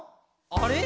あれ？